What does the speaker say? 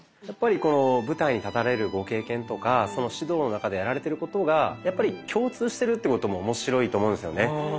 やっぱりこの舞台に立たれるご経験とか指導の中でやられてることがやっぱり共通してるということも面白いと思うんですよね。